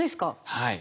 はい。